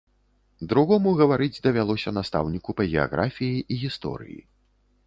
Другому гаварыць давялося настаўніку па геаграфіі і гісторыі.